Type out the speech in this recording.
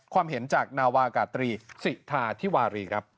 ความเห็นจากนาวากาตรีสิทาธิวารีครับ